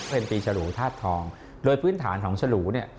เป็นปีฉลูธาตุทองโดยพื้นฐานของฉลูเนี่ย